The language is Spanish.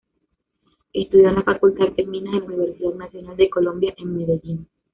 Estudió en la Facultad de Minas de la Universidad Nacional de Colombia en Medellín.